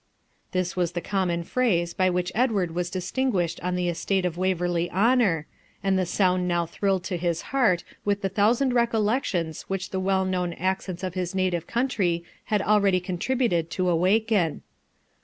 This was the common phrase by which Edward was distinguished on the estate of Waverley Honour, and the sound now thrilled to his heart with the thousand recollections which the well known accents of his native country had already contributed to awaken.